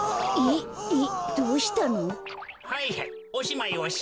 えっどうしたの？